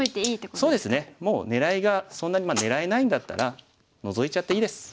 そうですねもう狙いがそんなに狙えないんだったらノゾいちゃっていいです。